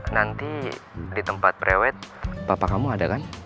nanti di tempat pre wed papa kamu ada kan